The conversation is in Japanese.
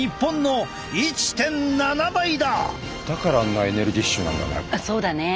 だからあんなエネルギッシュなんだね。